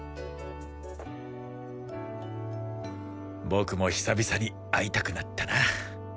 僕も久々に会いたくなったな。